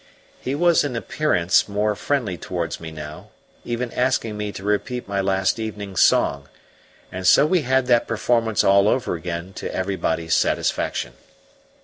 He was in appearance more friendly towards me now, even asking me to repeat my last evening's song, and so we had that performance all over again to everybody's satisfaction.